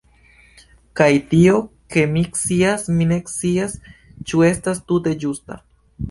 Kaj tio ke mi scias, mi ne scias ĉu estas tute ĝusta..